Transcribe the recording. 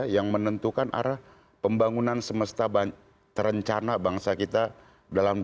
yang menentukan arah pembangunan semesta terencana bangsa kita dalam dua puluh lima